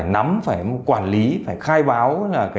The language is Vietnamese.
nắm phải quản lý phải khai báo